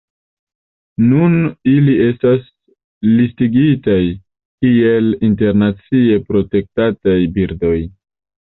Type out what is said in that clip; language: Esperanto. Nun ili estas listigitaj kiel internacie protektataj birdoj.